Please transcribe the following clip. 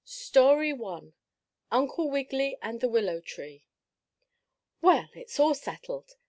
STORY I UNCLE WIGGILY AND THE WILLOW TREE "Well, it's all settled!"